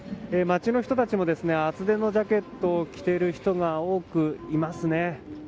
街の人たちも厚手のジャケットを着ている人が多くいますね。